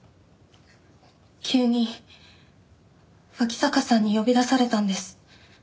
急に脇坂さんに呼び出されたんです。